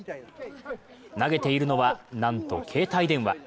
投げているのはなんと携帯電話。